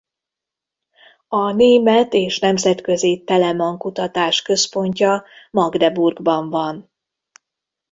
A német és nemzetközi Telemann-kutatás központja Magdeburgban van.